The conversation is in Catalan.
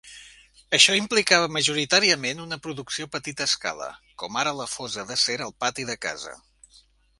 Això implicava majoritàriament una producció a petita escala, com ara la fosa d'acer "al pati de casa".